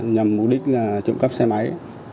nhằm mục đích trộm cắp xe máy